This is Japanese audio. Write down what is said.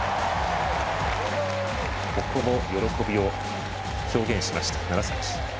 喜びを表現しました、楢崎。